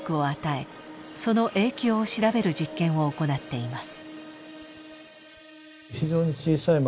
その影響を調べる実験を行っています。